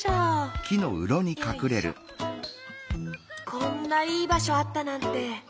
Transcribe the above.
こんないいばしょあったなんて。